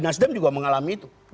nasdem juga mengalami itu